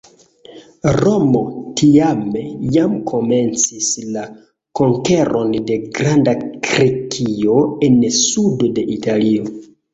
Romo, tiame, jam komencis la konkeron de Granda Grekio en sudo de Italio.